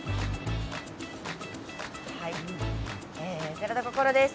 寺田心です。